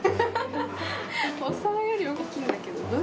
お皿より大きいんだけど。